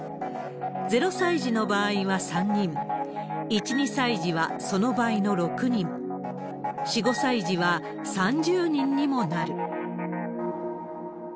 ０歳児の場合は３人、１、２歳児はその倍の６人、４、５歳児は３０人にもなる。